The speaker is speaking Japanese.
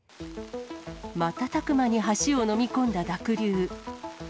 瞬く間に橋を飲み込んだ濁流。